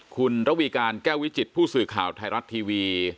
คุณระวีการแก้ววิจิตผู้สื่อข่าวไทยรัฐทีวี